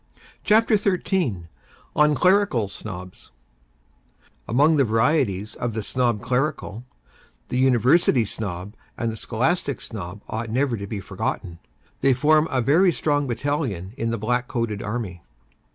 CHAPTER XIII ON CLERICAL SNOBS Among the varieties of the Snob Clerical, the University Snob and the Scholastic Snob ought never to be forgotten; they form a very strong battalion in the black coated army.